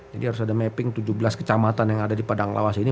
jadi harus ada mapping tujuh belas kecamatan yang ada di padang lawas ini